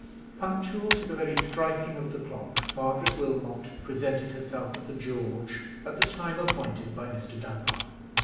Punctual to the very striking of the clock, Margaret Wilmot presented herself at the George at the time appointed by Mr. Dunbar.